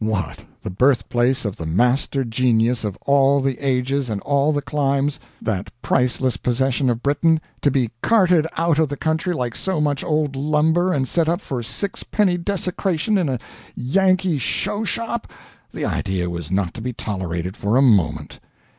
What, the birthplace of the master genius of all the ages and all the climes that priceless possession of Britain to be carted out of the country like so much old lumber and set up for sixpenny desecration in a Yankee show shop the idea was not to be tolerated for a moment.